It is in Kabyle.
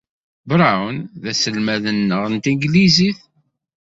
Brown d aselmad-nneɣ n tanglizit.